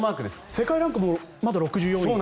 世界ランクも６４位。